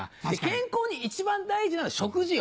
健康に一番大事なの食事よ。